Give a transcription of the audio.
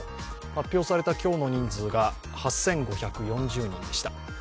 発表された今日の人数が８５４０人でした。